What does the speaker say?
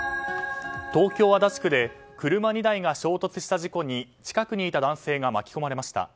東京・足立区で車２台が衝突した事故に近くにいた男性が巻き込まれました。